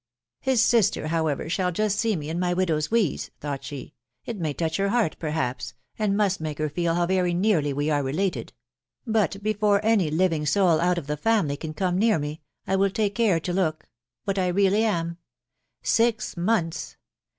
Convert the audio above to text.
t€ His sister, however, shall just see me in my widow's weeds," thought she ;€€ it may touch her heart, perhaps, and must make her feel how very nearly we are related ;.... but before any living soul out of the family can come near me, I will take care to look .... what I really am .... Six months